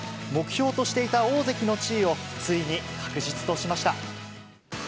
目標としていた大関の地位を、ついに確実としました。